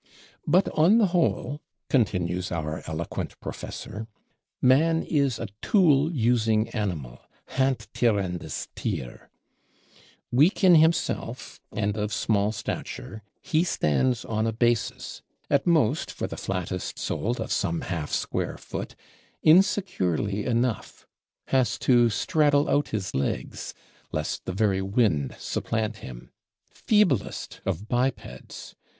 "But, on the whole," continues our eloquent Professor, "Man is a Tool using Animal (Handthierendes Thier). Weak in himself, and of small stature, he stands on a basis, at most for the flattest soled, of some half square foot, insecurely enough; has to straddle out his legs, lest the very wind supplant him. Feeblest of bipeds!